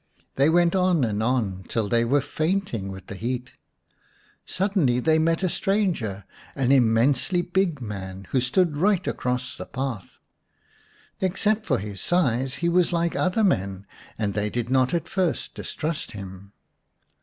They went on and on till they were fainting with the heat. Suddenly they met a stranger, an immensely big man, who stood right across the path. Except for 193 The Fairy Frog xvi his size he was like other men, and they did not at first distrust him.